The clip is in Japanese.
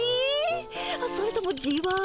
それともじわ？